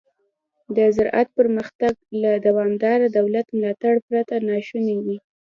د زراعت پرمختګ له دوامداره دولت ملاتړ پرته ناشونی دی.